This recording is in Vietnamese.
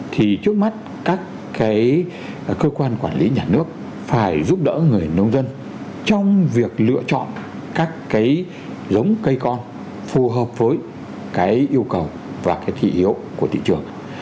thì trước mắt các cơ quan quản lý nhà nước phải giúp đỡ người nông dân trong việc lựa chọn các cái giống cây con phù hợp với cái yêu cầu và cái thị hiếu của thị trường